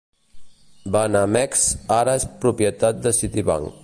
Banamex ara és propietat de Citibank.